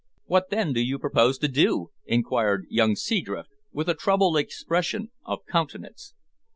"What then do you propose to do?" inquired young Seadrift, with a troubled expression of countenance.